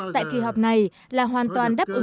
tại kỳ họp này là hoàn toàn đáp ứng